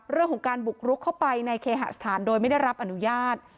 เรื่องของการบุกรุกเข้าไปในเคหสถานโดยไม่ได้รับอนุญาต